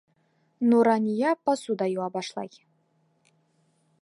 Нурания посуда йыуа башлай.